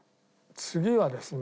次はですね。